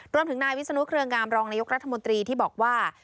รวมถึงนายวิศนุเครืองามรองนายกรัฐมนตรีที่บอกว่า